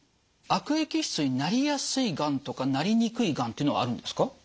悪液質になりやすいがんとかなりにくいがんっていうのはあるんですか？